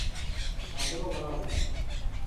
صفحه را ورق زد.